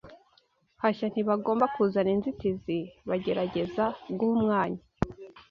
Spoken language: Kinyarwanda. hashya ntibagomba kuzana inzitizi bagerageza guha umwanya